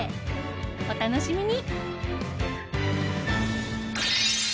お楽しみに！